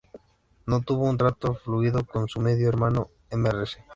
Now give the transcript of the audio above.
No tuvo un trato fluido con su medio hermana Mrs.